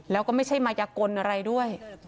แล้วก็ไม่ใช่มายกลอะไรด้วย